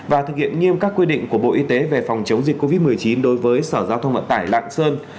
và thực hiện nghiêm các quy định của bộ y tế về phòng chống dịch covid một mươi chín đối với sở giao thông vận tải lạng sơn